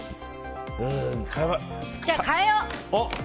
じゃあ、変えよう！